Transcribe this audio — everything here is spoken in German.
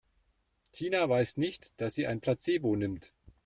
Tina weiß nicht, dass sie ein Placebo nimmt.